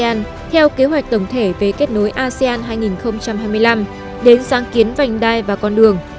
từ mạng lưới điện asean theo kế hoạch tổng thể về kết nối asean hai nghìn hai mươi năm đến sáng kiến vành đai và con đường